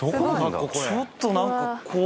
ちょっと何か怖い。